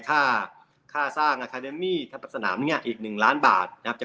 ค่าค่าสร้างอาคาเดมี่ทัพสนามเนี่ยอีก๑ล้านบาทนะครับจะ